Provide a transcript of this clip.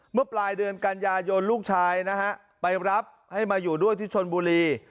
เมื่อปลายเดือนกันยายนลูกชายนะฮะไปรับให้มาอยู่ด้วยที่ชนบุรี